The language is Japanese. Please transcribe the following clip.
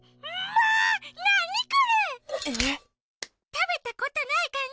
たべたことないかんじ！